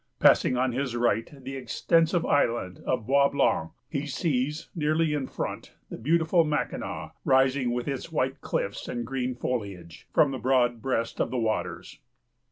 Passing on his right the extensive Island of Bois Blanc, he sees, nearly in front, the beautiful Mackinaw, rising, with its white cliffs and green foliage, from the broad breast of the waters.